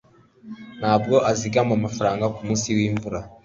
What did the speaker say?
ntabwo azigama amafaranga kumunsi wimvura